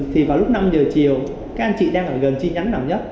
thì vào lúc năm giờ chiều các anh chị đang ở gần chi nhánh nhỏ nhất